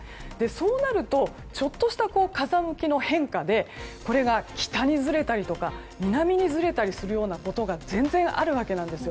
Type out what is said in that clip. そうなるとちょっとした風向きの変化でこれが北にずれたりとか南にずれたりするようなことが全然あるわけなんです。